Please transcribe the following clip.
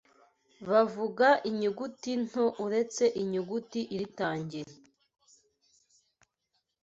Bavuga inyuguti nto uretse inyuguti iritangira